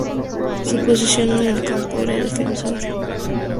Su posición en el campo era defensor.